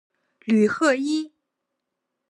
吕赫伊。